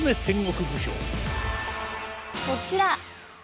こちら。